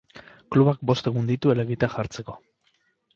Klubak bost egun ditu helegitea jartzeko.